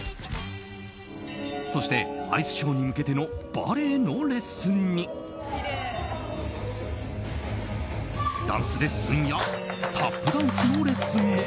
そして、アイスショーに向けてのバレエのレッスンにダンスレッスンやタップダンスのレッスンも。